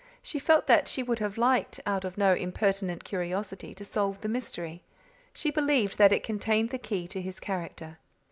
She felt that she would have liked, out of no impertinent curiosity, to solve the mystery; she believed that it contained the key to his character.